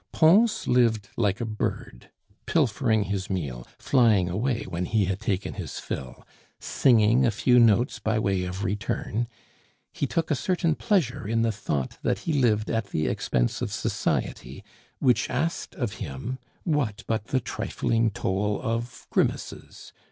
Pons lived like a bird, pilfering his meal, flying away when he had taken his fill, singing a few notes by way of return; he took a certain pleasure in the thought that he lived at the expense of society, which asked of him what but the trifling toll of grimaces?